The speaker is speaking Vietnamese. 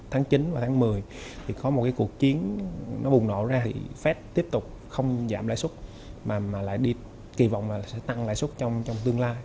tháng chín và tháng một mươi thì có một cuộc chiến nó bùng nổ ra thì fed tiếp tục không giảm lãi xuất mà lại đi kỳ vọng là sẽ tăng lãi xuất trong tương lai